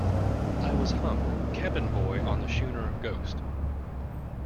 I was Hump, cabin boy on the schooner Ghost.